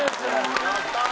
やったー！